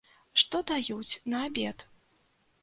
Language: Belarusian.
Што даюць на абед?